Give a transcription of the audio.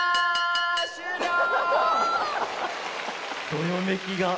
どよめきが。